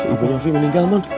ibu nyafi meninggal mon